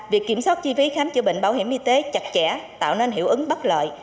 việc kiểm soát chi phí khám chữa bệnh bảo hiểm y tế chặt chẽ tạo nên hiệu ứng bất lợi